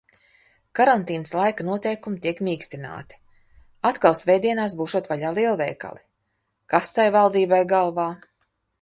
Karantīnas laika noteikumi tiek mīkstināti. Atkal svētdienās būšot vaļā lielveikali. Kas tai valdībai galvā?